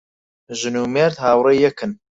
ژن و مێرد هاوڕێی یەکن